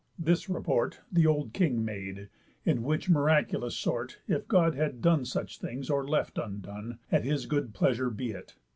This report, The old king made; in which miraculous sort, If God had done such things, or left undone, At his good pleasure be it.